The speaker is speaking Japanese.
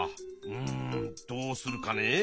うんどうするかねえ。